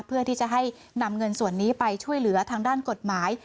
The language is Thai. เพื่อที่จะให้นำเงินส่วนนี้ไปช่วยเหลือทางด้านกฎหมาย